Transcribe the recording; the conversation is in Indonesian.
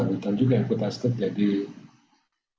pada saat itu hutan puta estate jadi kebun singkong